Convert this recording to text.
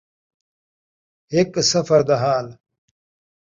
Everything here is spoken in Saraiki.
ہک سفر دا حال